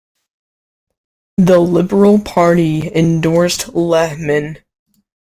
The Liberal Party endorsed Lehman.